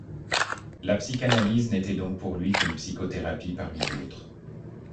La psychanalyse n'était donc pour lui qu'une psychothérapie parmi d'autres.